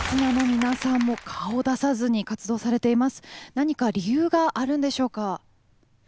何か理由があるんでしょうか？